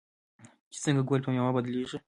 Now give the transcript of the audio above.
چې څنګه ګل په میوه بدلیږي.